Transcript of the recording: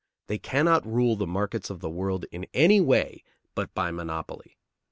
They cannot rule the markets of the world in any way but by monopoly.